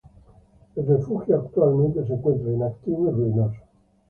El refugio actualmente se encuentra inactivo y ruinoso.